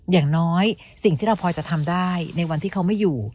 อย่างน้อยสิ่งที่เราพอจะทำได้ในวันที่เขาไม่อยู่